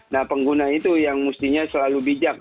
nah pengguna itu yang mestinya selalu bijak